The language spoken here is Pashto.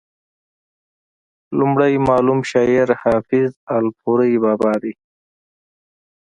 وړومبی معلوم شاعر حافظ الپورۍ بابا دی